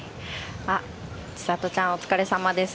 千怜ちゃん、お疲れさまです。